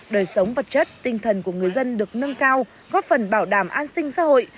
đời sống vật chất tinh thần của người dân được nâng cao góp phần bảo đảm an sinh xã hội